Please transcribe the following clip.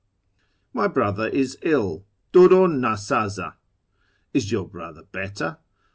My brother is ill — JDudim nd sdz d. Is your brother better